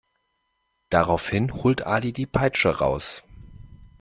Daraufhin holt Ali die Peitsche raus.